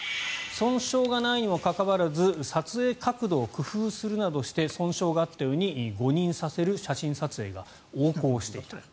損傷がないにもかかわらず撮影角度を工夫するなどして損傷があったように誤認させる写真撮影が横行していた。